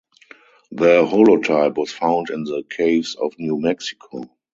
The holotype was found in the caves of New Mexico.